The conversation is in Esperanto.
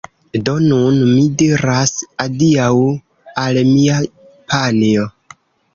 Do nun mi diras adiaŭ al mia panjo